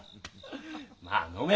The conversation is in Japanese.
まあ飲め。